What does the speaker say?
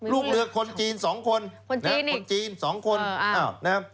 ลูกเหลือคนจีน๒คนครับคนจีน๒คน